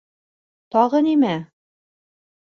Тағы нимә?